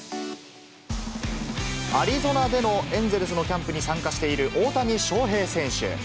アリゾナでのエンゼルスのキャンプに参加している大谷翔平選手。